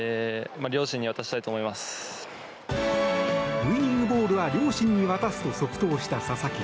ウィニングボールは両親に渡すと即答した佐々木。